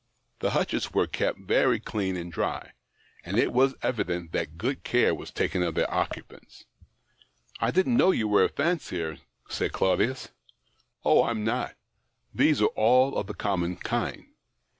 The hutches were kept very clean and dry, and it was evident that good care was taken of their occupants. " I didn't know you were a fancier," said Claudius. " Oh, I'm not ; these are all of the common kind.